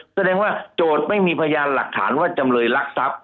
แสดงว่าโจทย์ไม่มีพยานหลักฐานว่าจำเลยรักทรัพย